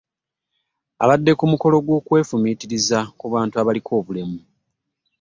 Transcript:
Abadde ku mukolo gw'okwefumiitiriza ku bantu abaliko obulemu